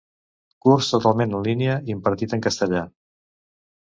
Curs totalment en línia, impartit en castellà.